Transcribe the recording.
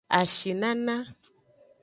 Ashinana.